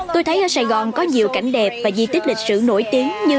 tôi thấy ở sài gòn có nhiều cảnh đẹp và di tích lịch sử nổi tiếng như